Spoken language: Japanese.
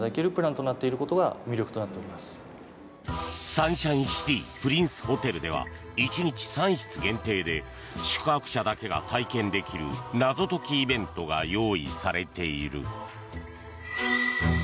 サンシャインシティプリンスホテルでは１日３室限定で宿泊者だけが体験できる謎解きイベントが用意されている。